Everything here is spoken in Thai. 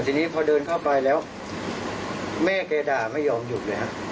แต่ทีนี้พอเดินเข้าไปแล้วแม่ก็อย่าอย่าอย่างนี้